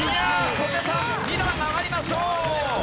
小手さん２段上がりましょう！